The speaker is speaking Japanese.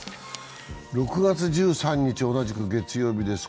６月１３日、同じく月曜日です。